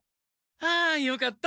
あよかった！